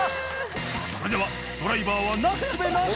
これではドライバーはなすすべなし！